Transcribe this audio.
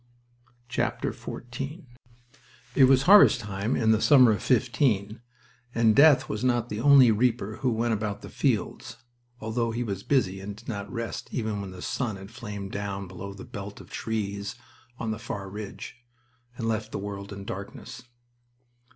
XIV It was harvest time in the summer of '15, and Death was not the only reaper who went about the fields, although he was busy and did not rest even when the sun had flamed down below the belt of trees on the far ridge, and left the world in darkness.